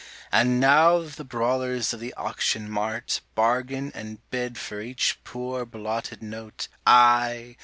And now the brawlers of the auction mart Bargain and bid for each poor blotted note, Ay!